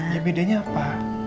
ya bedanya apa